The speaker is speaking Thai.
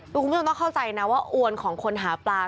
คุณผู้ชมต้องเข้าใจนะว่าอวนของคนหาปลา